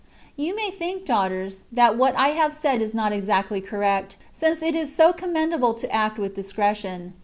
You may think, daughters, that what I have said is not exactly correct, since it is so commend able to act with discretion.